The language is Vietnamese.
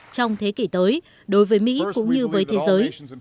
trong thế kỷ tới đối với mỹ cũng như với thế giới